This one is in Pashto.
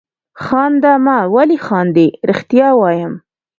خانده مه ولې خاندې؟ رښتیا وایم.